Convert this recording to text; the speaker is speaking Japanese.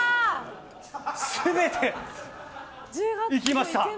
全ていきました。